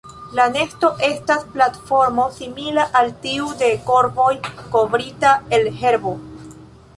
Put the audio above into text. La nesto estas platformo simila al tiu de korvoj kovrita el herbo.